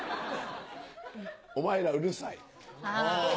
お前らうるサイ。